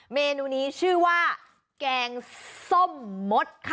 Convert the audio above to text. เมนูนี้ชื่อว่าแกงส้มมดค่ะ